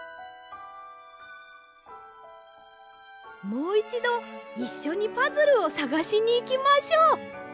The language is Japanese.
もういちどいっしょにパズルをさがしにいきましょう！